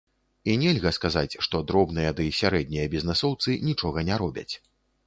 І нельга сказаць, што дробныя ды сярэднія бізнэсоўцы нічога не робяць.